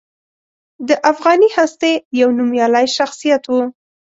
د افغاني هستې یو نومیالی شخصیت و.